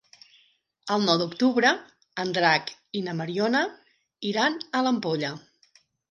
El nou d'octubre en Drac i na Mariona iran a l'Ampolla.